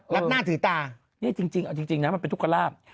รับหน้าถือตาเนี่ยจริงโอจริงนะเป็นทุกกรราบ